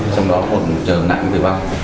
trong đó còn trường nạn tử vong